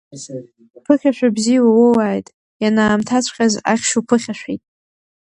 Ԥыхьашәа бзиа уоуааит, ианаамҭаҵәҟьаз ахьшь уԥыхьашәеит!